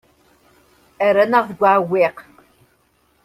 Rran-aɣ deg uɛewwiq.